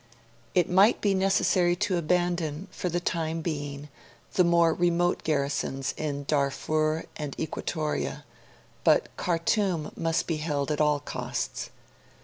It might be necessary to abandon, for the time being, the more remote garrisons in Darfur and Equatoria; but Khartoum must be held at all costs.